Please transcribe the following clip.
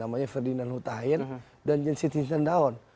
namanya ferdinand hutahayen dan jensi tintin daon